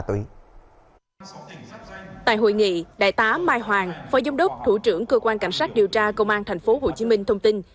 tại hội nghị đại tá mai hoàng phó giám đốc thủ trưởng cơ quan cảnh sát điều tra công an tp hcm thông tin